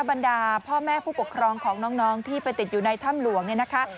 บรรดาพ่อแม่ผู้ปกครองของน้องที่ไปติดอยู่ในถ้ำหลวงเนี่ยนะคะ